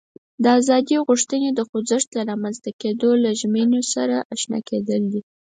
د ازادي غوښتنې د خوځښت له رامنځته کېدو له ژمینو سره آشنا کېدل دي.